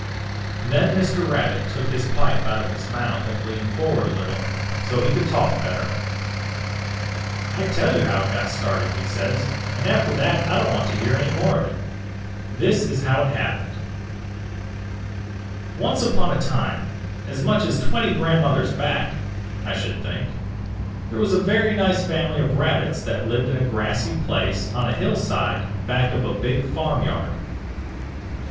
"Then Mr. Rabbit took his pipe out of his mouth and leaned forward a little, so he could talk better. "'I tell you how it got started,' he says, 'and after that I don't want to hear any more of it. This is how it happened: "'Once upon a time, as much as twenty grandmothers back, I should think, there was a very nice family of Rabbits that lived in a grassy place on a hillside back of a big farmyard.